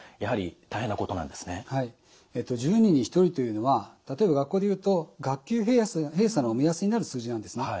１０人に１人というのは例えば学校でいうと学級閉鎖の目安になる数字なんですね。